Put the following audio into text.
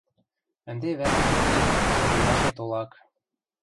Ӹнде вӓтет уке, тыменяшет олак...